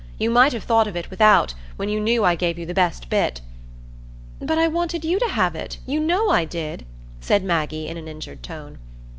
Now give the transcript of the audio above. You might have thought of it without, when you knew I gave you the best bit." "But I wanted you to have it; you know I did," said Maggie, in an injured tone.